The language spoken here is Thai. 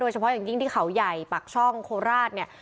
เฉพาะอย่างยิ่งที่เขาใหญ่ปากช่องโคราชเนี่ย